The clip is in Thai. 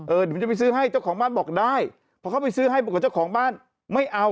เออหนุ่มจะไปซื้อให้เจ้าของบ้านบอกได้เพราะเขาไปซื้อให้บอกว่าเจ้าของบ้านไม่เอา